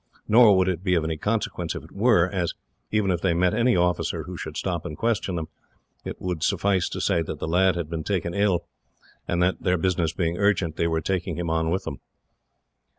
Nor would it be of any consequence if it were, as, even if they met any officer who should stop and question them, it would suffice to say that the lad had been taken ill; and that, their business being urgent, they were taking him on with them.